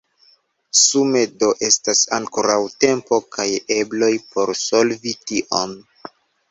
Sume do estas ankoraŭ tempo kaj ebloj por solvi tion.